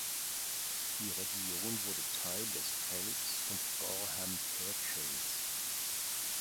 Die Region wurde Teil des Phelps und Gorham Purchase.